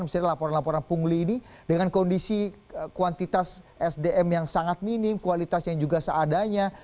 misalnya laporan laporan pungli ini dengan kondisi kuantitas sdm yang sangat minim kualitas yang juga seadanya